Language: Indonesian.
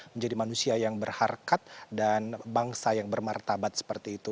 menjadi manusia yang berharkat dan bangsa yang bermartabat seperti itu